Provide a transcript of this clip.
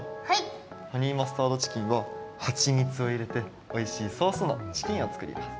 ハニーマスタードチキンははちみつをいれておいしいソースのチキンをつくります。